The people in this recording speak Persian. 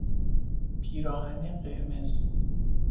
پیراهن قرمز